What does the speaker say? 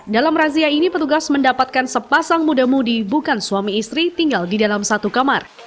dalam razia ini petugas mendapatkan sepasang muda mudi bukan suami istri tinggal di dalam satu kamar